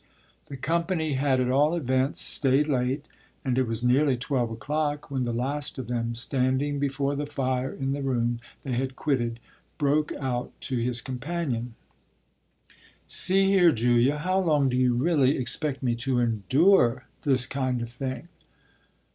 The company had at all events stayed late, and it was nearly twelve o'clock when the last of them, standing before the fire in the room they had quitted, broke out to his companion: "See here, Julia, how long do you really expect me to endure this kind of thing?"